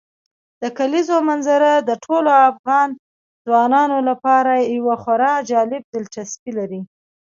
د کلیزو منظره د ټولو افغان ځوانانو لپاره یوه خورا جالب دلچسپي لري.